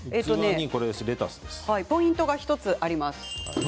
ポイントが１つあります。